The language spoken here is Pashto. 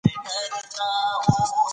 لیکوال له خپل مسؤلیت څخه خبر دی.